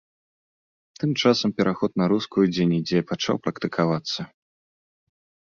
Тым часам пераход на рускую дзе-нідзе пачаў практыкавацца.